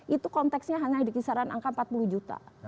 itu konteksnya hanya dikisaran angka empat puluh juta